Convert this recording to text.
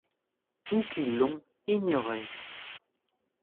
Ou qui l’ont ignorée.